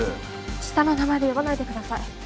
下の名前で呼ばないでください。